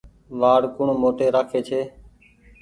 وآڙ ڪوڻ موٽي رآکي ڇي ۔